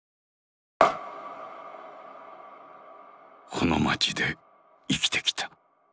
この街で生きてきた。